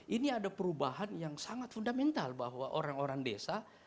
ini ada perubahan yang sangat fundamental bahwa orang orang desa